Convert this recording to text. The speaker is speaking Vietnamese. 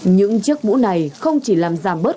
những chiếc mũ này không chỉ làm giảm bớt